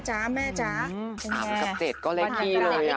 อาบกับเจ็ดก็เลขคี่เลยอะ